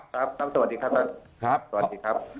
ครับท่านสวัสดีครับท่าน